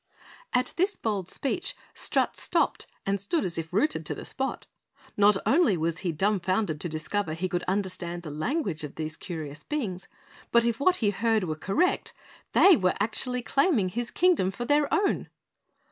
At this bold speech Strut stopped and stood as if rooted to the spot. Not only was he dumbfounded to discover he could understand the language of these curious beings, but if what he heard were correct, they actually were claiming his Kingdom for their own.